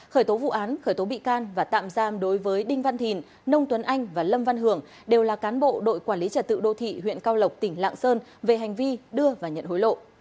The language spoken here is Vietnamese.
khởi tố vụ án khởi tố bị can và tạm giam đối với đinh văn thìn nông tuấn anh và lâm văn hưởng đều là cán bộ đội quản lý trật tự đô thị huyện cao lộc tỉnh lạng sơn về hành vi đưa và nhận hối lộ